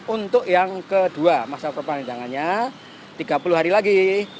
untuk yang kedua masa perpanjangannya tiga puluh hari lagi